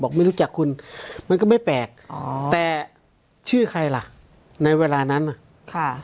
ไม่รู้จักคุณมันก็ไม่แปลกอ๋อแต่ชื่อใครล่ะในเวลานั้นน่ะค่ะ